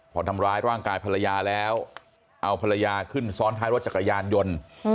พอทำร้ายร่างกายภรรยาแล้วเอาภรรยาขึ้นซ้อนท้ายรถจักรยานยนต์